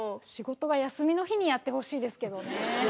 仕事が休みの日にやってほしいですけどね。